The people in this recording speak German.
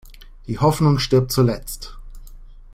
Die Hoffnung stirbt zuletzt.